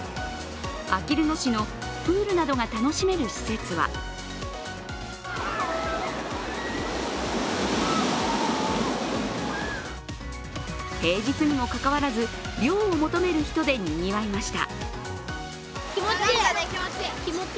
あきる野市のプールなどが楽しめる施設は平日にもかかわらず、涼を求める人でにぎわいました。